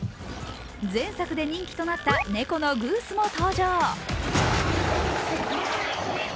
前作で人気となった猫のグースも登場。